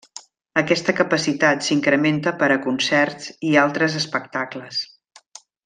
Aquesta capacitat s'incrementa per a concerts i altres espectacles.